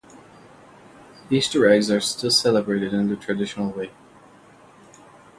Easter eggs are still celebrated in the traditional way.